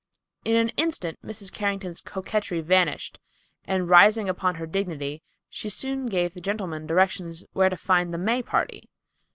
In an instant Mrs. Carrington's coquetry vanished, and rising upon her dignity, she soon gave the gentlemen directions where to find the May party.